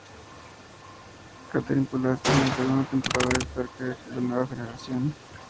Katherine Pulaski en la segunda temporada de "Star Trek: La nueva generación".